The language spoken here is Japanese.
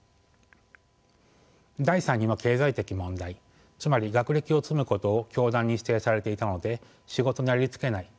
第３には「経済的問題」つまり学歴を積むことを教団に否定されていたので仕事にありつけない。